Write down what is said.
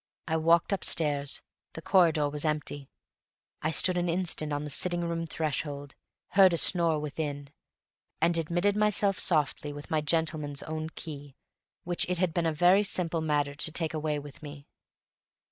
I walked upstairs. The corridor was empty; I stood an instant on the sitting room threshold, heard a snore within, and admitted myself softly with my gentleman's own key, which it had been a very simple matter to take away with me.